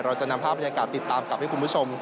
เราจะนำภาพบรรยากาศติดตามกลับให้คุณผู้ชม